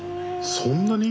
そんなに？